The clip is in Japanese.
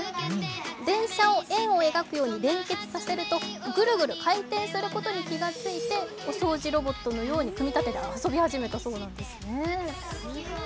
電車を、円を描くように連結させると、ぐるぐる回転することに気付いてお掃除ロボットのように組み立てて遊び始めたそうなんです。